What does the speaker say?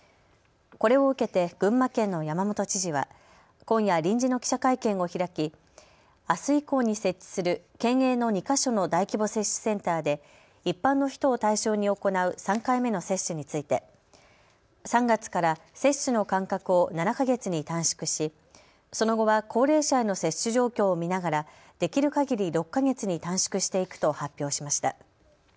これを受けて群馬県の山本知事は今夜、臨時の記者会見を開きあす以降に設置する県営の２か所の大規模接種センターで一般の人を対象に行う３回目の接種について３月から接種の間隔を７か月に短縮しその後は高齢者への接種状況を見ながらできるかぎり６か月に短縮していくと発表しました。